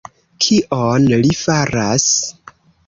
Kion li faras...?